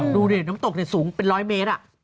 ดูดิน้ำตกสูงเป็น๑๐๐เมตร